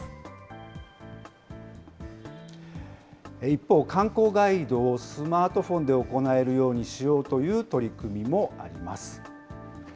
一方、観光ガイドをスマートフォンで行えるようにしようという取り組みもあります。